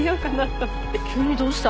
急にどうした？